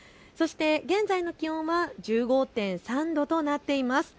現在の気温は１５．３度となっています。